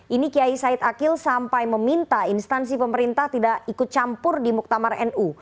ini kiai said akil sampai meminta instansi pemerintah tidak ikut campur di muktamar nu